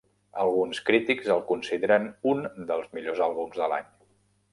Alguns crítics el consideren un dels millors àlbums de l'any.